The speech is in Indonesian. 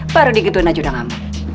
baru digituin aja udah gak mau